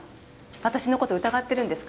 私の事疑ってるんですか？